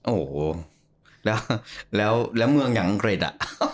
โอ้โหแล้วเมืองอย่างอังกฤษอ่ะ